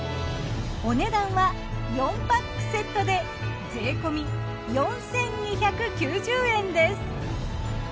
お値段は４パックセットで税込４，２９０円です。